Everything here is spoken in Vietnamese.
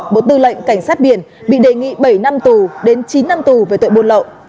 bộ tư lệnh cảnh sát biển bị đề nghị bảy năm tù đến chín năm tù về tội buôn lậu